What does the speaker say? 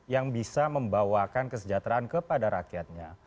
yang bisa membawakan kesejahteraan kepada rakyatnya